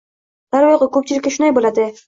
Darvoqe, koʻpchilikda shunday boʻladi.